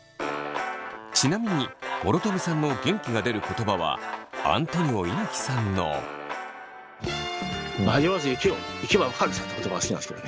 ちなみに諸富さんの元気が出る言葉はアントニオ猪木さんの。という言葉が好きなんですけどね